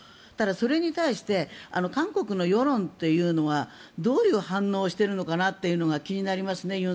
ただ、それに対して韓国の世論というのがどういう反応をしているのかが気になりますね